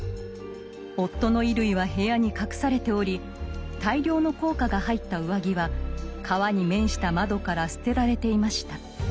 夫の衣類は部屋に隠されており大量の硬貨が入った上着は川に面した窓から捨てられていました。